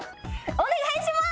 お願いします。